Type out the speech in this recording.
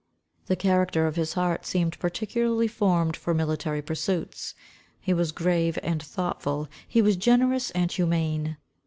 The character of his heart seemed particularly formed for military pursuits. He was grave and thoughtful, he was generous and humane.